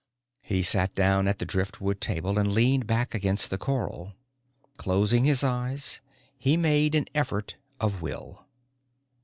He sat down at the driftwood table and leaned back against the coral. Closing his eyes he made an effort of will.